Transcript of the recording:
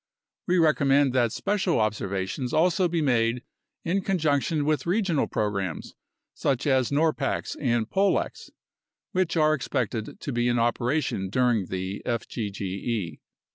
We recommend that special observations also be made in con junction with regional programs, such as norpax and polex, which are expected to be in operation during the fgge.